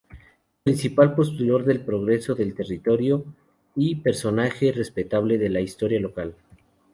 Principal propulsor del progreso del territorio y personaje respetable de la historia local.